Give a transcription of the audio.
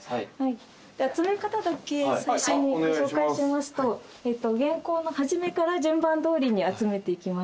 集め方だけ最初にご紹介しますと原稿の初めから順番どおりに集めていきます。